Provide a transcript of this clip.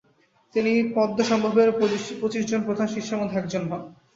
তিনি পদ্মসম্ভবের পঁচিশজন প্রধান শিষ্যের মধ্যে একজন হন।